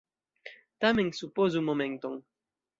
Tamen supozu momenton.